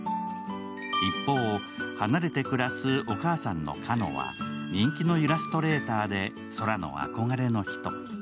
一方、離れて暮らすお母さんの花野は人気のイラストレーターで宙の憧れの人。